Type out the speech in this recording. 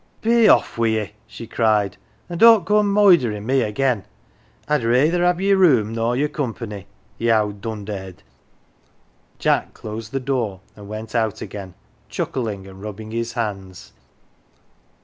"Be off wi 1 ye," she cried, "an 1 don't come moiderin' me again. Fd rayther have your room nor your company, ye owd dunderhead." Jack closed the door and went out again, chuckling and rubbing his hands.